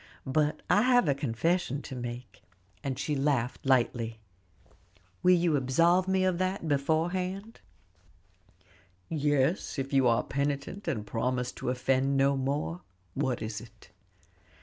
But I have a confession to make," and she laughed lightly. "Will you absolve me beforehand?" "Yes, if you are penitent, and promise to offend no more. What is it?"